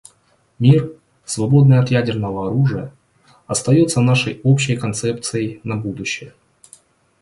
Мир, свободный от ядерного оружия, остается нашей общей концепцией на будущее.